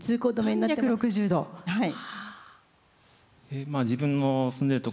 はい。